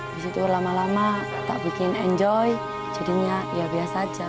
di situ lama lama tak bikin enjoy jadinya ya biasa aja